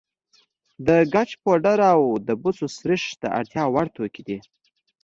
د ګچ پوډر او د بوسو سريښ د اړتیا وړ توکي دي.